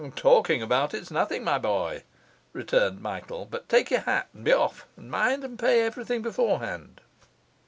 'Talking about it's nothing, my boy!' returned Michael. 'But take your hat and be off, and mind and pay everything beforehand.